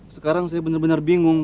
sekarang saya benar benar bingung